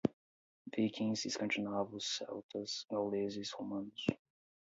Vikings, escandinavos, celtas, gauleses, romanos